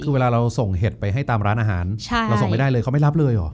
คือเวลาเราส่งเห็ดไปให้ตามร้านอาหารเราส่งไม่ได้เลยเขาไม่รับเลยเหรอ